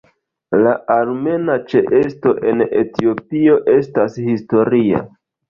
La armena ĉeesto en Etiopio estas historia.